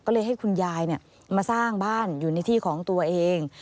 ก็เลยให้คุณยายมาสร้างบ้านอยู่ในที่ของตัวเอง